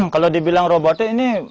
kalau dibilang robotik ini